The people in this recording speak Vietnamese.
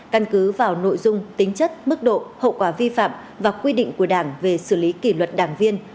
căn cứ vào nội dung tính chất mức độ hậu quả vi phạm và quy định của đảng về xử lý kỷ luật đảng viên